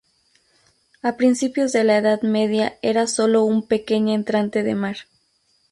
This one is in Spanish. A principios de la Edad Media era sólo un pequeña entrante de mar.